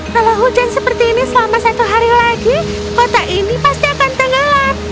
kalau hujan seperti ini selama satu hari lagi kota ini pasti akan tenggelam